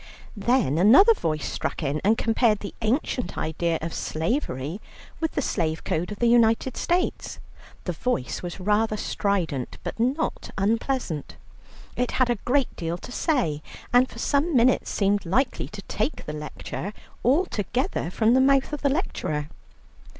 Then another voice struck in, and compared the ancient idea of slavery with the slave code of the United States. The voice was rather strident, but not unpleasant. It had a great deal to say, and for some minutes seemed likely to take the lecture altogether from the mouth of the lecturer.